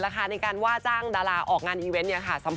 ลงกับใครใครคิดไงก็ชั่งเค้าเรารู้ตัวเราก็พอครับ